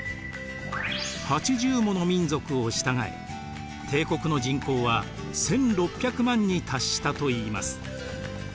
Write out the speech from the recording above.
８０もの民族を従え帝国の人口は１，６００万に達したといいます。